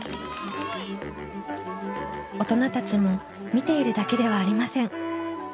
大人たちも見ているだけではありません。